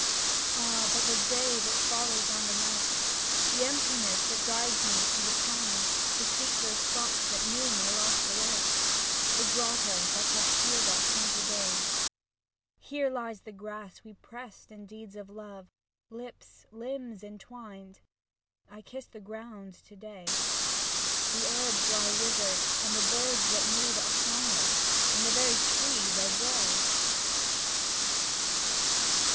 Ah ! but the day that follows on the night. The emptiness that drives me to the plain To seek those spots that knew my lost delight, 71 SAPPHO TO PHAON The grotto that shall shield us not again. Here lies the grass we pressed in deeds of love. Lips, limbs entwined — I kiss the ground to day. The herbs lie withered, and the birds that move Are songless, and the very trees are grey.